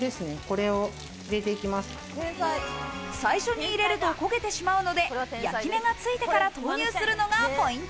最初に入れると焦げてしまうので、焼き目がついてから投入するのがポイント。